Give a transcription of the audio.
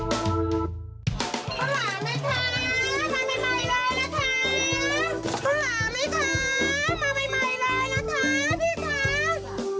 ภูนิสาค่ะมาใหม่เลยนะคะ